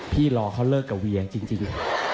รอเขาเลิกกับเวียจริง